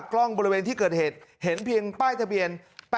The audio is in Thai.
กล้องบริเวณที่เกิดเหตุเห็นเพียงป้ายทะเบียน๘๘